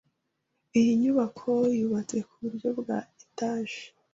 Iyi nyubako yubatse ku buryo bwa Etage